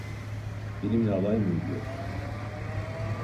Benimle alay mı ediyorsun?